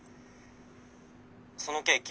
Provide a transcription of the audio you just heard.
そのケーキ